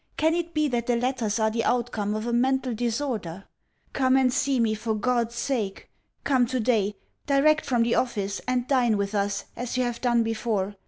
Can it be that the letters are the outcome of a mental disorder?... Come and see me, for God's sake. Come today, direct from the office, and dine with us as you have done before.